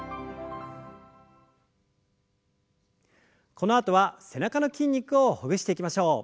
このあとは背中の筋肉をほぐしていきましょう。